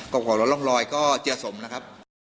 ประกอบของร่องรอยก็เจียสมนะครับ